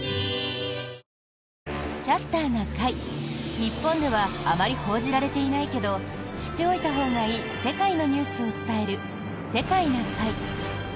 日本ではあまり報じられていないけど知っておいたほうがいい世界のニュースを伝える「世界な会」。